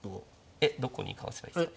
えっどこにかわせばいいですか？